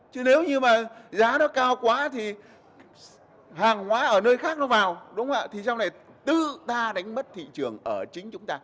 chứ nếu như mà giá nó cao quá thì hàng hóa ở nơi khác nó vào đúng không ạ thì sau này tự ta đánh mất thị trường ở chính chúng ta